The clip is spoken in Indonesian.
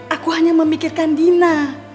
aku hanya memikirkan dina